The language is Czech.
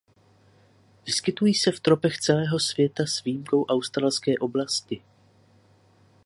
Vyskytují se v tropech celého světa s výjimkou australské oblasti.